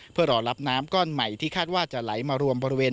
เพื่อรอรับน้ำก้อนใหม่ที่คาดว่าจะไหลมารวมบริเวณ